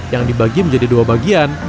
yang dibagi menjadi dua bagian